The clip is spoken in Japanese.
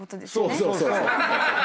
そうそうそう。